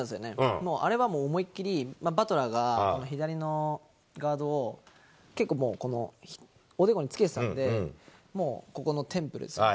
もうあれはもう思いっ切り、バトラーが左のガードを結構もう、このおでこにつけてたんで、もうここのテンプルですよね。